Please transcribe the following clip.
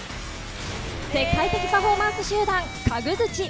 世界的パフォーマンス集団、かぐづち。